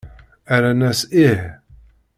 Rran-as: Ih!